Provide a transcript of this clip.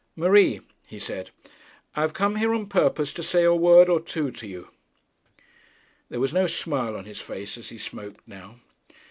'Marie,' he said, 'I have come here on purpose to say a word or two to you.' There was no smile on her face as he spoke now.